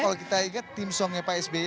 kalau kita ingat theme song nya pak sby